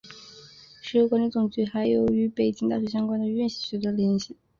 石油管理总局还与北京大学有关的院系取得了联系。